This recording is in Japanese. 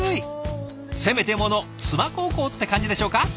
せめてもの妻孝行って感じでしょうか？